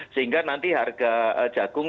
sehingga nanti harga jagung